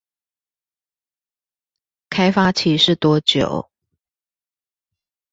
開發期是多久？